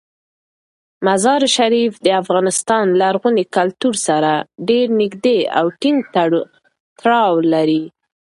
مزارشریف د افغان لرغوني کلتور سره ډیر نږدې او ټینګ تړاو لري.